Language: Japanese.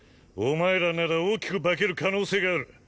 お前らなら大きく化ける可能性がある。